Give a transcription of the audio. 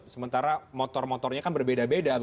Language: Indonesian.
sementara motor motornya kan berbeda beda